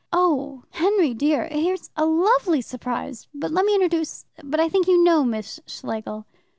"Oh, Henry dear! here's a lovely surprise but let me introduce but I think you know Miss Schlegel."